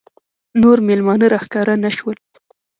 نور مېلمانه راښکاره نه شول.